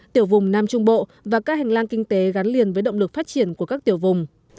tiểu vùng nam trung bộ và các hành lang kinh tế gắn liền với động lực phát triển của các tiểu vùng